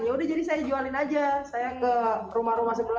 ya udah jadi saya jualin aja